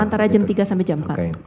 antara jam tiga sampai jam empat